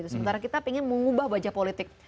sementara kita ingin mengubah wajah politik